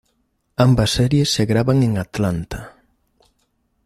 Ambas series se graban en Atlanta.